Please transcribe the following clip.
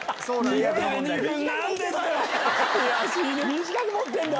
短く持ってるんだ！